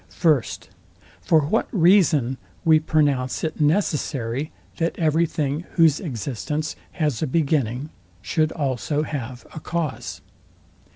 First, For what reason we pronounce it necessary, that every thing whose existence has a beginning, should also have a cause.